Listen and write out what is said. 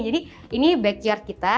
jadi ini backyard kita